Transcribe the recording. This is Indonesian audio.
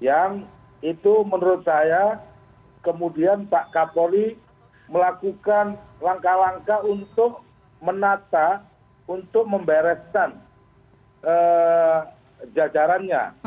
yang itu menurut saya kemudian pak kapolri melakukan langkah langkah untuk menata untuk membereskan jajarannya